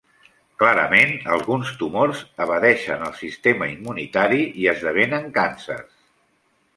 Clarament, alguns tumors evadeixen el sistema immunitari i esdevenen càncers.